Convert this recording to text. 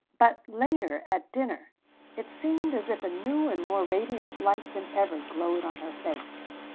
But later, at dinner, it seemed as if a new and more radiant light than ever glowed on her face.